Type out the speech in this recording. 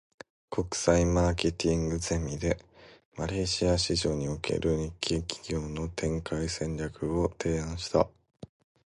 国際マーケティングゼミで、マレーシア市場における日系企業の展開戦略を提案した。